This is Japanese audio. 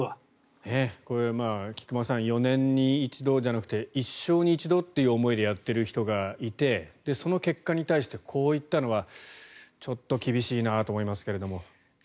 これは菊間さん４年に一度じゃなくて一生に一度という思いでやっている人がいてその結果に対してこういったのはちょっと厳しいなと思いますけれども。